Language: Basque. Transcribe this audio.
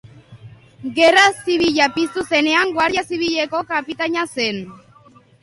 Gerra Zibila piztu zenean, guardia zibileko kapitaina zen.